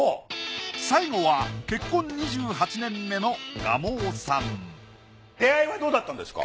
最後は結婚２８年目の蒲生さん出会いはどうだったんですか？